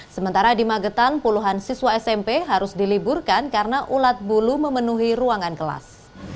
sementara di magetan puluhan siswa smp harus diliburkan karena ulat bulu memenuhi ruangan kelas